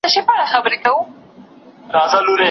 زه مي د زلمیو شپو توبه یمه ماتېږمه